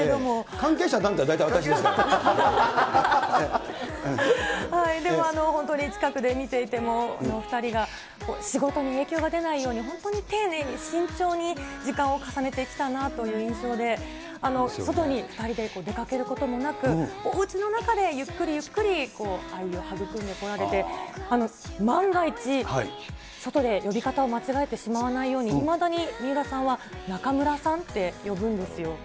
関係者になると大体私ですかでも、本当に近くで見ていても、２人が仕事に影響が出ないように、本当に丁寧に慎重に時間を重ねてきたなという印象で、外に２人で出かけることもなく、おうちの中でゆっくりゆっくり愛を育んでこられて、万が一、外で呼び方を間違えてしまわないように、いまだに水卜さんは、中村さんって呼ぶんですよ。